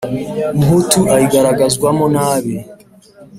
Umuhutu ayigaragazwamo nabi